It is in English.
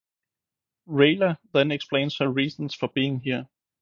Rayla then explains her reasons for being here.